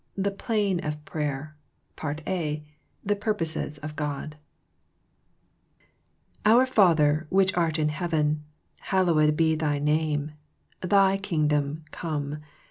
THE PLANE OF PRAYER (a) The Purpose of God " Our Father which art in heaven, Hallowed be TJiy name. Thy Kingdom come.